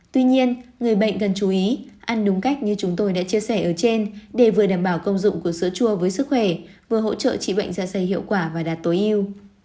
tuy nhiên người bệnh cần chú ý ăn đúng cách như chúng tôi đã chia sẻ ở trên để vừa đảm bảo công dụng của sữa chua với sức khỏe vừa hỗ trợ trị bệnh da dày hiệu quả và đạt tối yêu